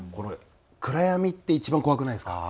暗闇って一番怖くないですか？